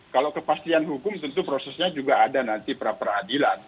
kalau kepastian hukum tentu prosesnya juga ada nanti pera peradilan